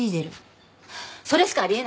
それしかあり得ないわ。